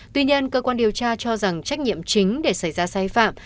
tuy nhiên cơ quan điều tra cho rằng trách nhiệm chính để xảy ra sai phạm